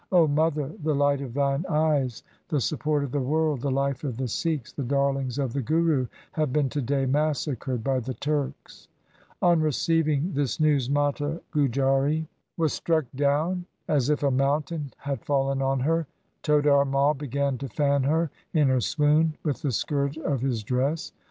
O mother, the light of thine eyes, the support of the world, the life of the Sikhs, the darlings of the Guru have been to day massacred by the Turks.' On receiving this news Mata Gujari FATAHGARH SIKH V P. ion LIFE OF GURU GOBIND SINGH 199 was struck down as if a mountain had fallen on her. Todar Mai began to fan her in her swoon with the skirt of his dress.